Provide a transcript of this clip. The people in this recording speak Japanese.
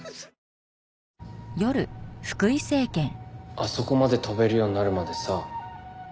あそこまで跳べるようになるまでさ